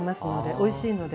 おいしいので。